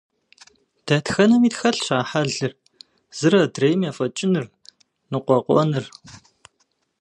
Дэтхэнэми тхэлъщ а хьэлыр – зыр адрейм ефӀэкӀыныр, ныкъуэкъуэныр.